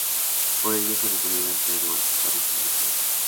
Por ello, se recomienda emplear guantes para su manipulación.